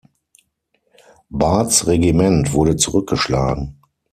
Bards Regiment wurde zurückgeschlagen.